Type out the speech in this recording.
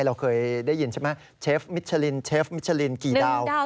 เราเคยได้ยินใช่ไหมเชฟมิชลินเชฟมิชลินกี่ดาว